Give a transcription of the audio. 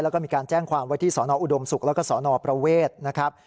แล้วก็มีการแจ้งความไว้ที่สนอุดมศุกร์แล้วก็สนประเวทนะครับ